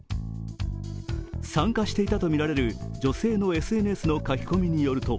参加していたとみられる女性のＳＮＳの書き込みによると